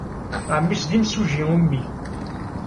Ɛemmi-s d imsujji ummil.